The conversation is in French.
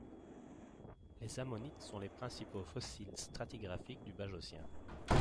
Les ammonites sont les principaux fossiles stratigraphiques du Bajocien.